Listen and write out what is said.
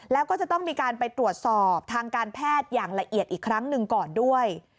แล้วก็จะต้องมีการไปตรวจสอบทางการแพทย์อย่างละเอียดอีกครั้งหนึ่งก่อนด้วย